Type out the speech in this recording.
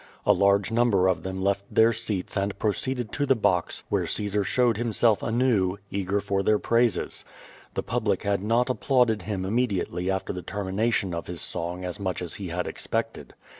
A large number of them left their seats and proceeded to the box, where Caesar showed himself anew, eager for their praises. The public had not applauded him immediately after the termination of his song as much as he had expected.